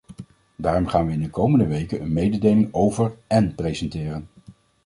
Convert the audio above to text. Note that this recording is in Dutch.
Daarom gaan we in de komende weken een mededeling over , en presenteren.